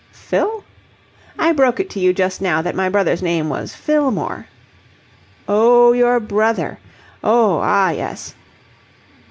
"Phil?" "I broke it to you just now that my brother's name was Fillmore." "Oh, your brother. Oh, ah, yes."